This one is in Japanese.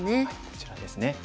こちらですね。